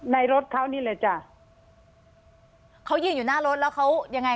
รถเขานี่แหละจ้ะเขายืนอยู่หน้ารถแล้วเขายังไง